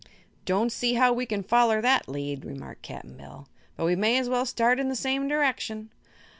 "Don't see how we can foller that lead," remarked Cap'n Bill; "but we may as well start in the same direction."